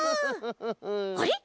あれ？